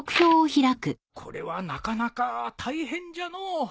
これはなかなか大変じゃのう。